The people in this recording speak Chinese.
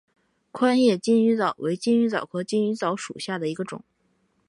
宽叶金鱼藻为金鱼藻科金鱼藻属下的一个种。